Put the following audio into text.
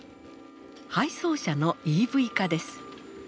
配送車のＥＶ化です。